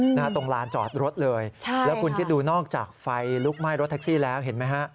หน้าตรงลานจอดรถเลยใช่แล้วคุณคิดดูนอกจากไฟลุกไหม้รถแท็กซี่แล้วเห็นไหมฮะ